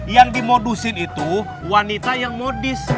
yang dimodusin itu wanita yang modis